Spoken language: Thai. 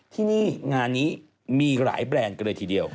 ที่นี่งานนี้มีหลายแบรนด์กันเลยทีเดียว